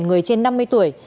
người trên năm mươi tuổi